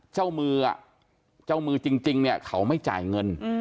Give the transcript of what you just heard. เจ้ามือจริงเขาไม่จ่ายเงิน